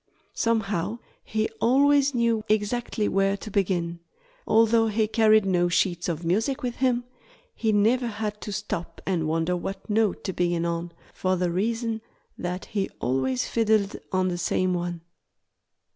Somehow he always knew exactly where to begin. Although he carried no sheets of music with him, he never had to stop and wonder what note to begin on, for the reason that he always fiddled on the same one.